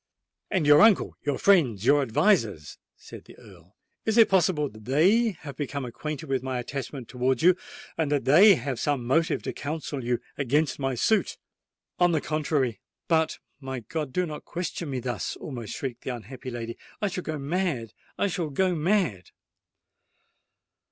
"And your uncle—your friends—your advisers?" said the Earl,—"it is possible that they have become acquainted with my attachment towards you—that they have some motive to counsel you against my suit?" "On the contrary——But, my God! do not question me thus!" almost shrieked the unhappy lady. "I shall go mad—I shall go mad!"